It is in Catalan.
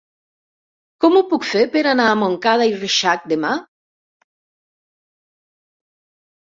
Com ho puc fer per anar a Montcada i Reixac demà?